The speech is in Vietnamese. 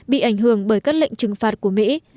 bị ảnh hưởng bởi các lệnh trừng phạt của mỹ